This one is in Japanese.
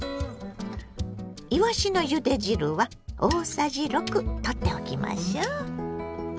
いわしのゆで汁は大さじ６とっておきましょう。